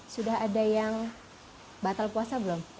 sudah ada yang batal puasa belum